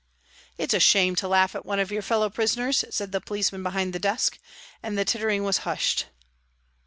" It's a shame to laugh at one of your fellow prisoners," said the policeman behind the desk, and the tittering was hushed.